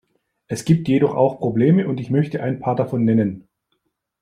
Es gibt jedoch auch Probleme und ich möchte ein paar davon nennen.